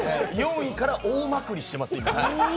４位から大まくりしてます、今。